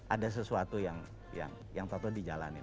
ada sesuatu yang toto dijalanin